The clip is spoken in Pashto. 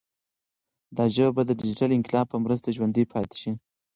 دا ژبه به د ډیجیټل انقلاب په مرسته ژوندۍ پاتې شي.